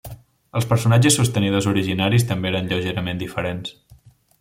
Els personatges sostenidors originaris també eren lleugerament diferents.